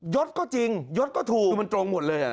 ยศก็จริงยศก็ถูกมันตรงหมดเลยหรือนะฮะ